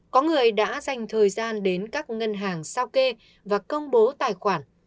có người đã dành thời gian đến các ngân hàng sao kê và công bố tài khoản